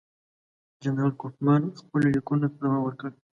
جنرال کوفمان خپلو لیکونو ته دوام ورکړ.